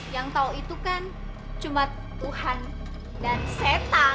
yang tahu itu kan cuma tuhan dan seta